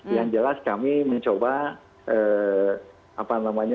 yang jelas kami mencoba apa namanya